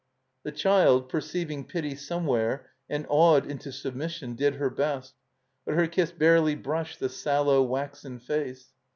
The child, perceiving pity somewhere and awed into submission, did her best, but her kiss barely brushed the sallow, waxen face.